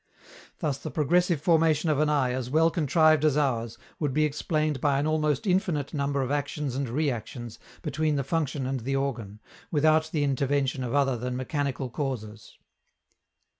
Thus the progressive formation of an eye as well contrived as ours would be explained by an almost infinite number of actions and reactions between the function and the organ, without the intervention of other than mechanical causes.